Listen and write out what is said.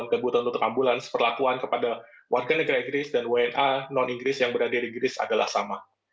kebutuhan untuk ambulans perlakuan kepada warga negara inggris dan wna non inggris yang berada di inggris adalah sama